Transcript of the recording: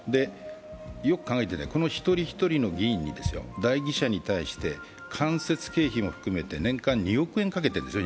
よく考えてください、一人一人の議員に代議者に対して関節経費も含めて年間２億円かけてるんですね